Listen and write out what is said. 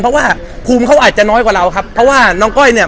เพราะว่าภูมิเขาอาจจะน้อยกว่าเราครับเพราะว่าน้องก้อยเนี่ย